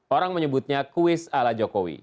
orang menyebutnya kuis ala jokowi